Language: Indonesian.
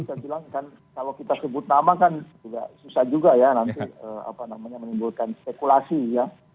kalau kita sebut nama kan susah juga ya nanti menimbulkan spekulasi ya